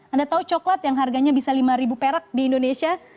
anda tahu coklat yang harganya bisa lima perak di indonesia